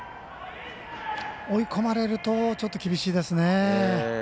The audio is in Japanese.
追い込まれるとちょっと厳しいですね。